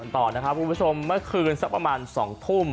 ต่อนะครับคุณผู้ชมเมื่อคืนสักประมาณ๒ทุ่ม